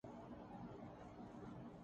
جہ ابھی معلوم نہیں ہو سکی